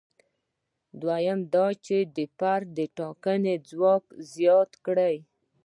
دویم دا چې د فرد د ټاکنې ځواک زیات کړي.